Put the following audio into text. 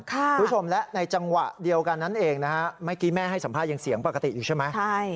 คุณผู้ชมแล้วในจังหวะเดียวกันนั้นเองแม่ให้สัมภาพยังเสียงปกติอยู่ใช่ไหม